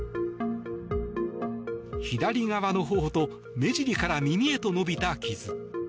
左側の頬と目尻から耳へと伸びた傷。